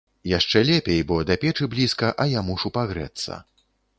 Яшчэ лепей, бо да печы блізка, а я мушу пагрэцца.